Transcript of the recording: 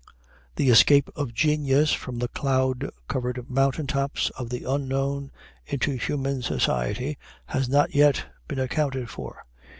The escape of genius from the cloud covered mountain tops of the unknown into human society has not yet been accounted for.